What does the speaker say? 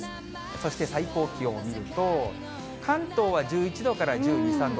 そして最高気温を見ると、関東は１１度から１２、３度。